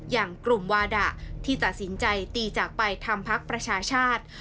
อย่างกลุ่มวาดะที่ตัดสินใจตีจากไปทำพักประชาชาติ